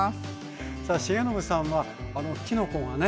さあ重信さんはきのこがね